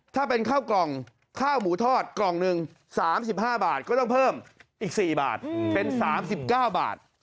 ถ้าเป็นข้าวกล่องข้าวหมูทอดกล่องหนึ่ง๓๕บาทก็ต้องเพิ่มอีก๔บาทเป็น๓๙บาท